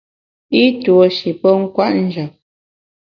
I tuo shi pe kwet njap.